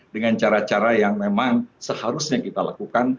dengan cara cara yang memang seharusnya kita lakukan